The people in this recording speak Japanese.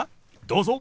どうぞ。